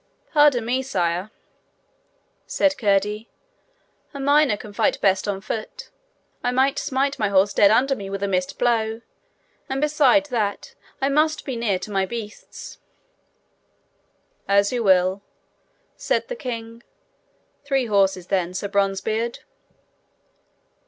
'Pardon me, sire,' said Curdie; 'a miner can fight best on foot. I might smite my horse dead under me with a missed blow. And besides that, I must be near to my beasts.' 'As you will,' said the king. 'Three horses then, Sir Bronzebeard.'